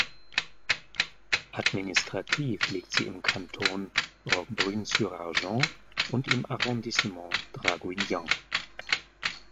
Administrativ liegt sie im Kanton Roquebrune-sur-Argens und im Arrondissement Draguignan.